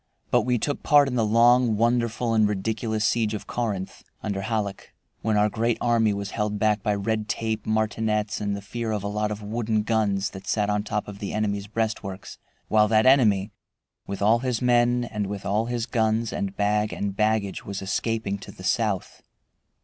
But we took part in the long, wonderful, and ridiculous siege of Corinth, under Halleck, when our great army was held back by red tape, martinets, and the fear of a lot of wooden guns that sat on top of the enemy's breastworks, while that enemy, with all his men, and with all his guns, and bag and baggage, was escaping to the south.